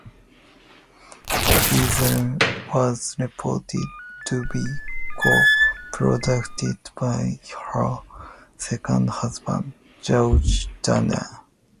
The feature was reported to be co-produced by her second husband George Dugdale.